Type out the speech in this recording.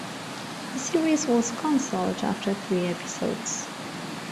The series was canceled after three episodes.